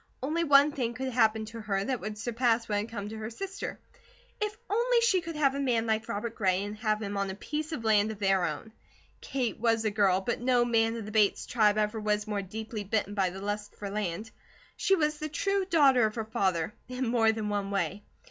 Only one thing could happen to her that would surpass what had come to her sister. If only she could have a man like Robert Gray, and have him on a piece of land of their own. Kate was a girl, but no man of the Bates tribe ever was more deeply bitten by the lust for land. She was the true daughter of her father, in more than one way.